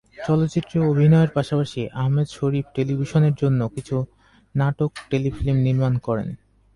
চলচ্চিত্রে অভিনয়ের পাশাপাশি আহমেদ শরীফ টেলিভিশনের জন্য কিছু নাটক-টেলিফিল্ম নির্মাণ করেন।